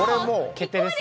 決定ですね。